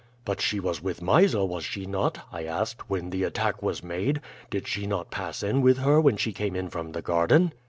"'But she was with Mysa, was she not,' I asked, 'when the attack was made? Did she not pass in with her when she came in from the garden?'